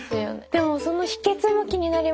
でもその秘けつも気になりますよね。